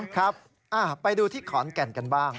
ครับไปดูที่ขอนแก่นกันบ้าง